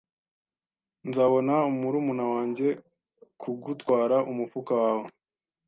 Nzabona murumuna wanjye kugutwara umufuka wawe.